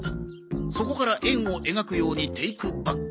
そこから円を描くようにテイクバック。